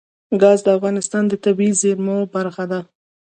ګاز د افغانستان د طبیعي زیرمو برخه ده.